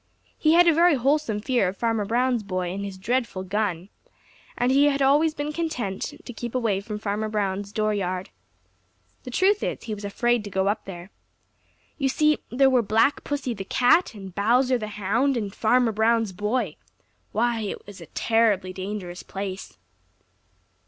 He had a very wholesome fear of Farmer Brown's boy and his dreadful gun, and he always had been content to keep away from Farmer Brown's door yard. The truth is, he was afraid to go up there. You see, there were Black Pussy the Cat and Bowser the Hound and Farmer Brown's boy—why, it was a terribly dangerous place!